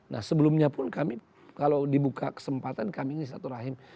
nah sebelumnya pun kami kalau dibuka kesempatan kami ini satu rahim